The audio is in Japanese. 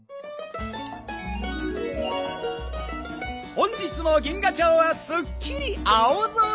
本日も銀河町はすっきり青空！